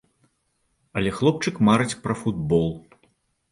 Але хлопчык марыць пра футбол.